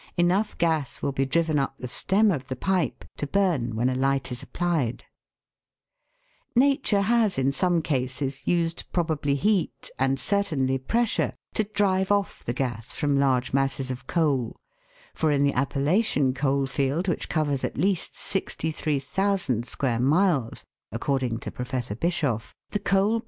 Enough gas will be driven up the stem of the pipe to burn when a light is applied. Nature has in some cases used probably heat, and certainly pressure to drive off the gas from large masses of coal, for in the Appalachian coal field, which covers at least 63,000 square miles, according to Prof. Bischof, the coal 190 THE WORLD'S LUMBER ROOM.